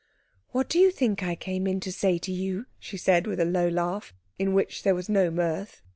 "What do you think I came in to say to you?" she said, with a low laugh in which there was no mirth.